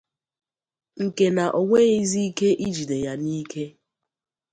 nke na o nweghịzị ike ijide ya n'ike